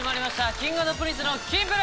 Ｋｉｎｇ＆Ｐｒｉｎｃｅの『キンプる。』！